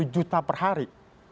lima puluh juta per hari